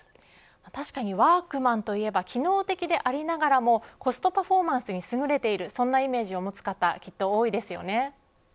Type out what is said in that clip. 確かにワークマンといえば機能的でありながらもコストパフォーマンスにすぐれているそんなイメージを持つ方きっと多いですよね。